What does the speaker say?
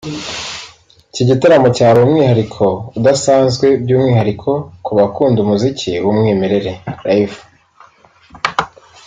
Iki gitaramo cyari umwihariko udasanzwe by’umwihariko ku bakunda umuziki w’umwimerere [live]